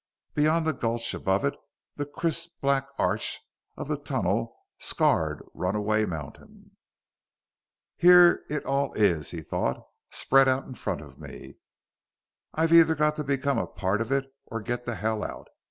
Beyond the gulch, above it, the crisp black arch of the tunnel scarred Runaway Mountain. Here it all is, he thought, _spread out in front of me. I've either got to become a part of it or get the hell out.